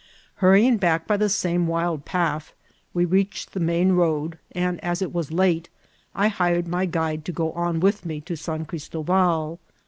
Huirying Itock by the same wild path, we reached the main road, and, as it was late^ I hired my guide to go on with me to San Cristoval.